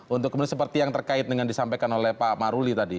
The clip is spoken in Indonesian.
untuk kemudian seperti yang terkait dengan disampaikan oleh pak maruli tadi